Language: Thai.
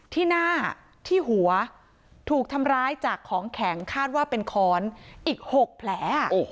ที่หน้าที่หัวถูกทำร้ายจากของแข็งคาดว่าเป็นค้อนอีก๖แผล